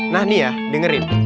nah nih ya dengerin